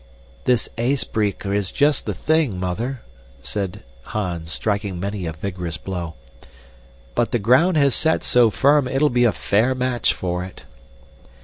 "This ysbreeker is just the thing, Mother," said Hans, striking many a vigorous blow, "but the ground has set so firm it'll be a fair match for it."